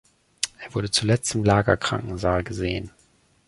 Er wurde zuletzt im Lager-Krankensaal gesehen.